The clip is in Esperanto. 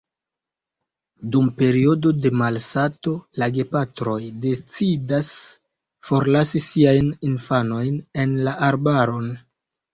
Dum periodo de malsato, la gepatroj decidas forlasi siajn infanojn en la arbaron.